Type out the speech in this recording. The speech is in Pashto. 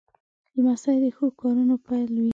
لمسی د ښو کارونو پیل وي.